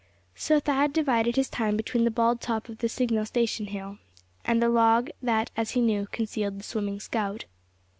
So Thad divided his time between the bald top of the signal station hill, and the log that as he knew concealed the swimming scout.